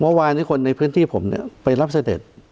เมื่อวานนี้คนในพื้นที่ผมเนี่ยไปรับเสด็จ